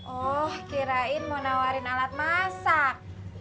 oh kirain mau nawarin alat masak